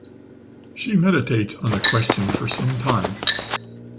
She meditates on the question for some time.